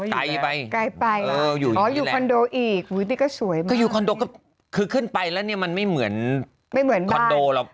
ใกล้ไปอ๋ออยู่คอนโดอีกนี่ก็สวยมากคือขึ้นไปแล้วเนี่ยมันไม่เหมือนคอนโดหรอก